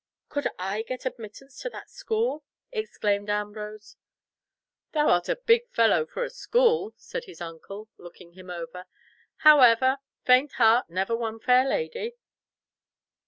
"Could I get admittance to that school?" exclaimed Ambrose. "Thou art a big fellow for a school," said his uncle, looking him over. "However, faint heart never won fair lady."